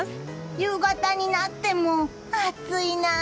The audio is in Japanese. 夕方になっても暑いな！